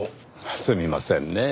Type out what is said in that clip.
すみませんねぇ